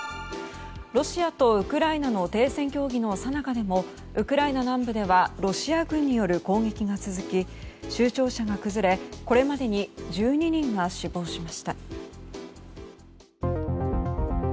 ロシアとウクライナの停戦協議のさなかでもウクライナ南部ではロシア軍による攻撃が続き州庁舎が崩れ、これまでに１２人が死亡しました。